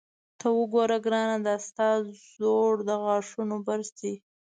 ته وګوره ګرانه، دا ستا زوړ د غاښونو برس دی.